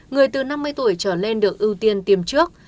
người từ năm mươi tuổi trở lên được ưu tiên tiêm trước